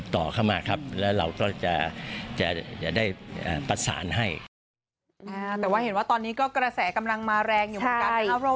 แต่ว่าเห็นว่าตอนนี้ก็กระแสกำลังมาแรงอยู่ของกัปนะครับ